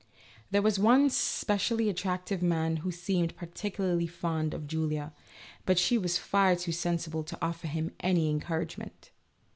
There was one specially attractive man who seemed particularly fond of Julia, but she was far too sensible to offer him any encouragement.